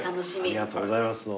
ありがとうございますどうも。